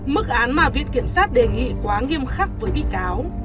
mức án mà viện kiểm sát đề nghị quá nghiêm khắc với bị cáo